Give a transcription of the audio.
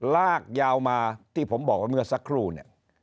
ลากยาวมาที่ผมบอกว่าเมื่อสักครู่เนี่ย